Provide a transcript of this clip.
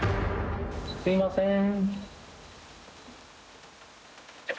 すいません。